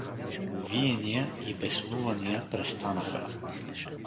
Виения и беснувания престанаха.